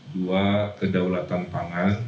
dua kedaulatan pangan